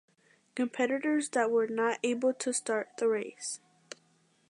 Competitors that were not able to start the race.